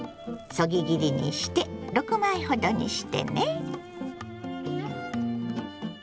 そぎ切りにして６枚ほどにしてね。